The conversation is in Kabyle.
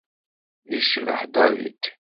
Yecbeḥ David.